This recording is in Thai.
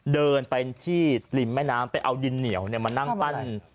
เดินไปที่ริมแม่น้ำไปเอาดินเหนียวมานั่งปั้น